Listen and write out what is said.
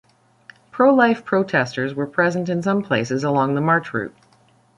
Pro-life protesters were present in some places along the march route.